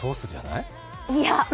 いや！